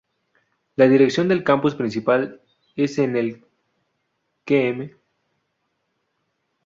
La dirección del campus principal es en el km.